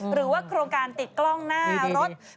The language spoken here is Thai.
หรือว่าโครงการติดกล้องหน้ารถ